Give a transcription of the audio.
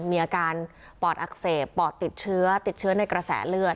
มีอาการปอดอักเสบปอดติดเชื้อติดเชื้อในกระแสเลือด